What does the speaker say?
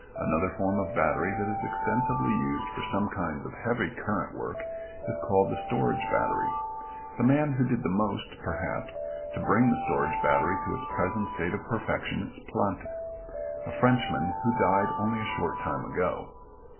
Another form of battery that is extensively used for some kinds of heavy current work is called the storage battery. The man who did the most, perhaps, to bring the storage battery to its present state of perfection was Planté, a Frenchman, who died only a short time ago.